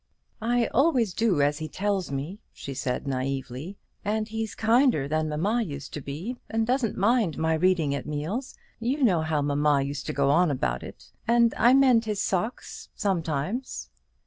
"I always do as he tells me,"' she said naïvely; "and he's kinder than mamma used to be, and doesn't mind my reading at meals. You know how ma used to go on about it. And I mend his socks sometimes."